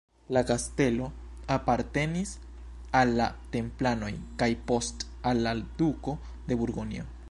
La kastelo apartenis al la templanoj kaj post al la duko de Burgonjo.